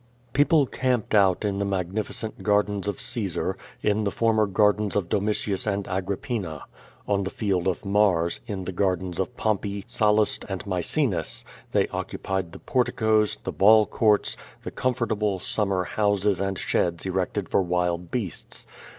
People camped out in the magnificent gardens of Caesar, in the former gardens of Domitius and Agrippina. On the field of Mars, in the gardens of Pompey, Sallust, and Mae cenas, they occupied the porticos, the ball courts, the com fortable summer houses and sheds erected for wild beasts.